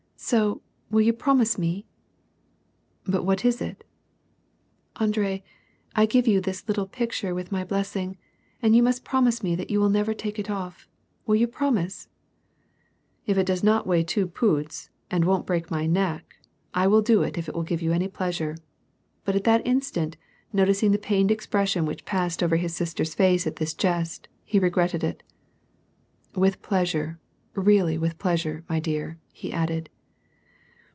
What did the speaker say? '^ So, will you prom ise me ?"," But what is it ?" "Andre, I give you this little picture with my blessing, and you must promise me that you will never take it off. Will you promise ?""" If it does not weigh two poods * and won't break my neck, I will do it if it will give you any pleasure," but at that in stant, noticing the pained expression which passed over his sister's face at this jest, he regretted it. "With pleasure, really with pleasure, my dear," he added.